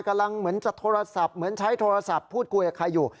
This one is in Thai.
กำลังเหมือนจะโทรศัพท์เหมือนใช้โทรศัพท์พูดกลัวอยากใครอยู่